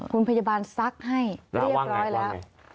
คุณพยาบาลซักให้เรียบร้อยแล้วแล้วว่าไงว่าไง